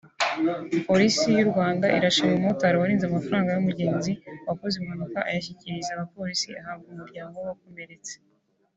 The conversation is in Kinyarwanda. Polisi y'uRwanda irashima umumotari warinze amafaranga y'umugenzi wakoze impanuka ayashyikiriza abapolisi ahabwa umuryango w'uwakomeretse